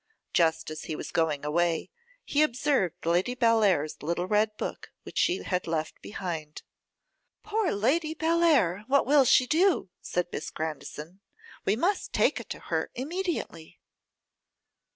Just as he was going away, he observed Lady Bellair's little red book, which she had left behind. 'Poor Lady Bellair, what will she do?' said Miss Grandison; 'we must take it to her immediately.